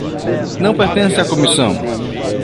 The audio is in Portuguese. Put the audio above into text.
Não pertence à comissão.